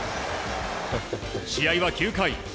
試合は９回。